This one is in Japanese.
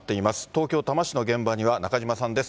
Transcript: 東京・多摩市の現場には中島さんです。